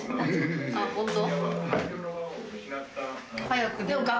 ホント？